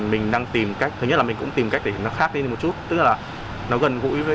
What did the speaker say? mình đang tìm cách thứ nhất là mình cũng tìm cách để nó khác lên một chút tức là nó gần gũi với